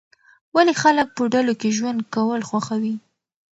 ولې خلک په ډلو کې ژوند کول خوښوي؟